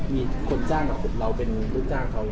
มีคนจ้างกับผมเราเป็นลูกจ้างเขา